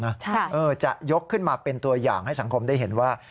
ใช่เออจะยกขึ้นมาเป็นตัวอย่างให้สังคมได้เห็นว่า